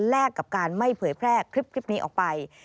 กับการไม่เผยแพร่คลิปนี้ออกไป